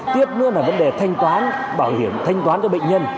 tiếp nữa là vấn đề thanh toán bảo hiểm thanh toán cho bệnh nhân